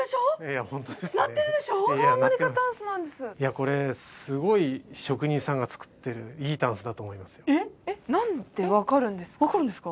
これすごい職人さんが作ってるいいタンスだと思いますよえっ分かるんですか？